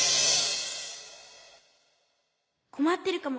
こまってるかも。